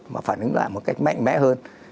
mà phản ứng lại một cách mạnh mẽ hơn